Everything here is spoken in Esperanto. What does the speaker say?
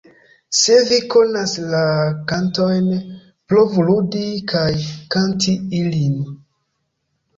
Se vi konas la kantojn, provu ludi kaj kanti ilin!